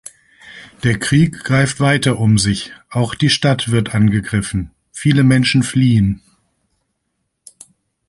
Der Krieg greift weiter um sich, auch die Stadt wird angegriffen, viele Menschen fliehen.